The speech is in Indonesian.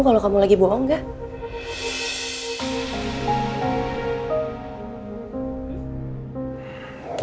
kalau kamu lagi bohong gak